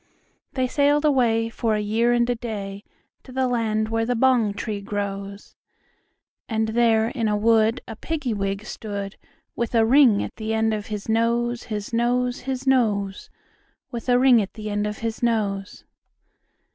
They sailed away, for a year and a day, To the land where the bong tree grows; And there in a wood a Piggy wig stood, With a ring at the end of his nose, His nose, His nose, With a ring at the end of his nose.